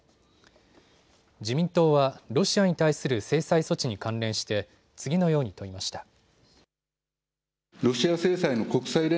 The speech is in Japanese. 自民党はロシアに対する制裁措置に関連して次のように問いました。